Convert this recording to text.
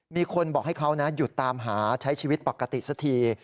มีคนบอกให้เขาหยุดตามหาใช้ชีวิตปกติสักที